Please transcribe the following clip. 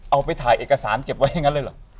เอาไปถ่ายเอกสารเก็บไว้อย่างนั้นเลยเหรอ